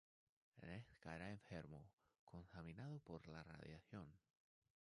Ned caerá enfermo, contaminado por la radiación.